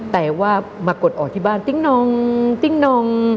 แต่ว่ามากดออกที่บ้านติ๊งนองติ้งนอง